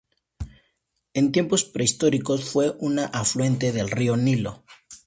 En tiempos prehistóricos, fue un afluente del río Nilo.